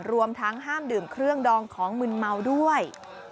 รวมทั้งห้ามดื่มเครื่องดองของมึนเมาด้วย